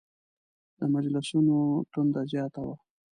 د مجلسونو تنده زیاته وه.